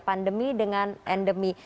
pandemi dengan endemi